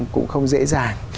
cũng không dễ dàng